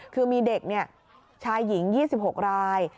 คือมีเด็กชายหญิง๒๖ราย